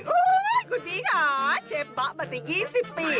อุ๊ยคุณพี่ค่ะเชฟบะมันจะยินสิบปี